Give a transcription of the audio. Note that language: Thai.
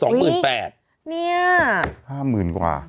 เนี่ย๕๐๐๐กว่า